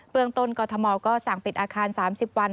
เมืองต้นกรทมก็สั่งปิดอาคาร๓๐วัน